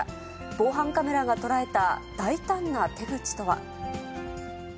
防犯カメラが捉えた大胆な手口とは。